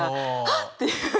っていう。